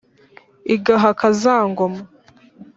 igahaka za ngoma .